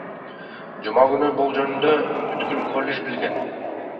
Жума күнү бул жөнүндө бүткүл коллеж билген.